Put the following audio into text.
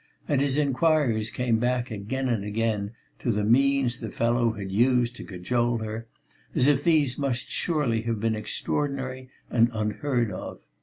And his enquiries came back again and again to the means the fellow had used to cajole her, as if these must surely have been extraordinary and unheard of.